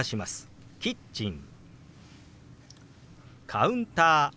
「カウンター」。